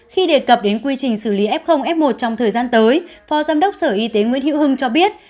khi đề cập đến quy trình xử lý f f một trong thời gian tới phó giám đốc sở y tế nguyễn hữu hưng cho biết